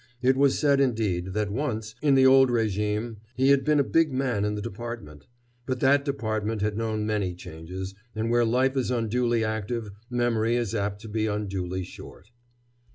It was said, indeed, that once, in the old régime, he had been a big man in the Department. But that Department had known many changes, and where life is unduly active, memory is apt to be unduly short.